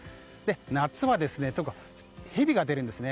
夏はヘビが出るんですね。